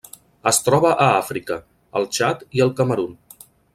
Es troba a Àfrica: el Txad i el Camerun.